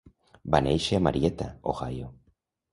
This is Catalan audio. Va néixer a Marietta, Ohio.